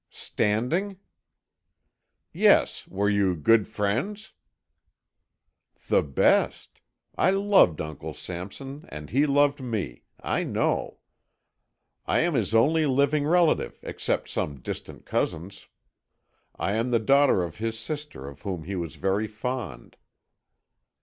"Standing?" "Yes. Were you good friends?" "The best. I loved Uncle Sampson and he loved me, I know. I am his only living relative, except some distant cousins. I am the daughter of his sister, of whom he was very fond."